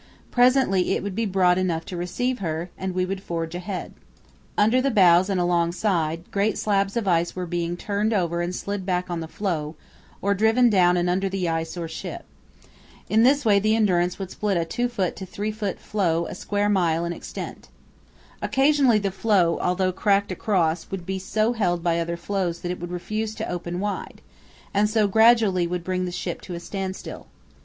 Presently it would be broad enough to receive her, and we would forge ahead. Under the bows and alongside, great slabs of ice were being turned over and slid back on the floe, or driven down and under the ice or ship. In this way the Endurance would split a 2 ft. to 3 ft. floe a square mile in extent. Occasionally the floe, although cracked across, would be so held by other floes that it would refuse to open wide, and so gradually would bring the ship to a standstill.